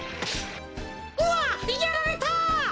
うわあやられた！